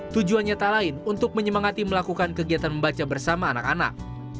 tujuannya tak lain untuk menyemangati melakukan kegiatan membaca bersama anak anak